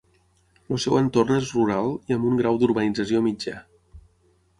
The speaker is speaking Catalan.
El seu entorn és rural i amb un grau d'urbanització mitjà.